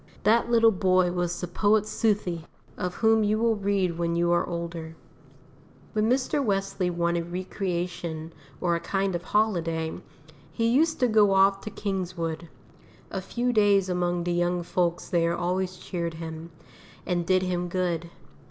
That little boy was the poet Southey, of whom you will read when you are older. When Mr. Wesley wanted recreation or a kind of holiday, he used to go off to Kingswood. A few days among the young folks there always cheered him, and did him good.